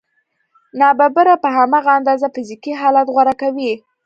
ناببره په هماغه اندازه فزیکي حالت غوره کوي